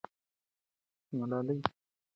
ملالۍ کولای سوای چې د ایوب خان سره وویني.